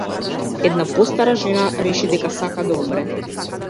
Една постара жена реши дека сака да умре.